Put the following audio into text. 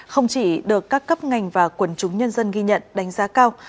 không chỉ được các cấp ngành và quần chúng nhân dân ghi nhận đánh giá cao